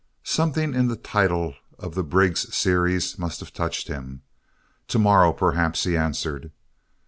Something in the title of the Briggs series must have touched him. "To morrow, perhaps," he answered.